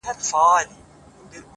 o چا ويل ډېره سوخي كوي؛